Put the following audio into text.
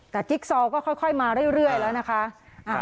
แต่กิ๊กซอลก็ค่อยค่อยมาเรื่อยเรื่อยแล้วนะคะอ่า